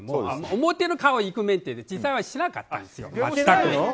表の顔はイクメンで実際はしてなかったんですよ。